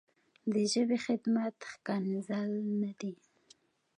د ژبې خدمت ښکنځل نه دي.